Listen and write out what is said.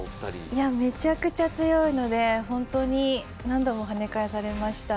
いやめちゃくちゃ強いのでほんとに何度もはね返されました。